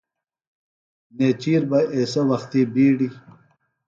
نیچِیر بہ ایسےۡ وختی بِیڈیۡ